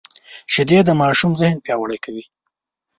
شیدې د ماشوم ذهن پیاوړی کوي